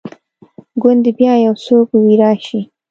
ګوندي بیا یو څوک وي راشي